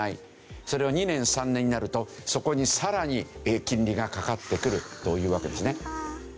それが２年３年になるとそこにさらに金利がかかってくるというわけですね。